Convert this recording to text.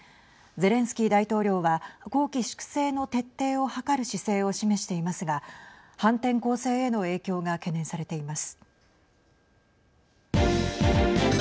ゼレンスキー大統領は綱紀粛正の徹底を図る姿勢を示していますが反転攻勢への影響が懸念されています。